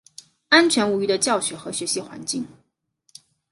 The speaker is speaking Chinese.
安全无虞的教学和学习环境